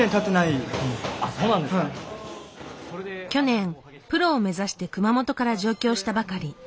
去年プロを目指して熊本から上京したばかり。